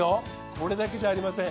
これだけじゃありません。